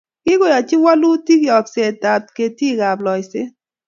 Kokeyochi walutiik yokseetab ketiikab loiseet.